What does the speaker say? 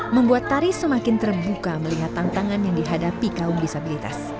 membuat tari semakin terbuka melihat tantangan yang dihadapi kaum disabilitas